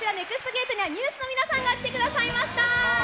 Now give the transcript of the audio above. ゲートには、ＮＥＷＳの皆さんが来てください